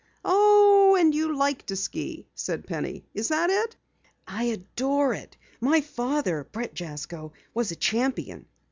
"Oh, and you like to ski," said Penny, "is that it?" "I adore it! My father, Bret Jasko, was a champion."